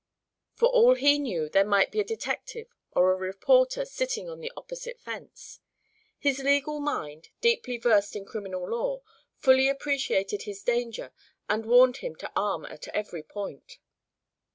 For all he knew there might be a detective or a reporter sitting on the opposite fence. His legal mind, deeply versed in criminal law, fully appreciated his danger and warned him to arm at every point.